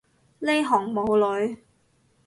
呢行冇女